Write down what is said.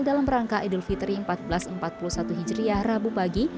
dalam rangka idul fitri seribu empat ratus empat puluh satu hijriah rabu pagi